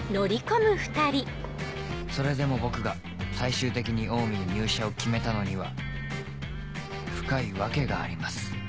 それでも僕が最終的にオウミに入社を決めたのには深い訳があります